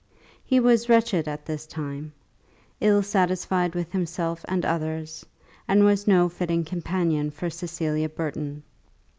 He was wretched at this time, ill satisfied with himself and others, and was no fitting companion for Cecilia Burton.